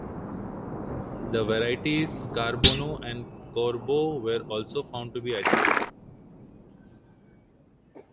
The varieties Charbono and Corbeau were also found to be identical.